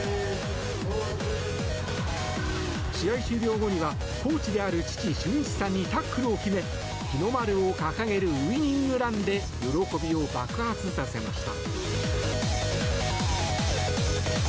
試合終了後にはコーチである父・俊一さんにタックルを決め日の丸を掲げるウィニングランで喜びを爆発させました。